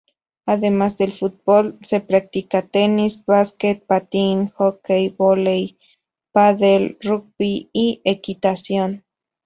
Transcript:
Además del fútbol, se practica tenis, básquet, patín, hockey, vóley, pádel, rugby y equitación.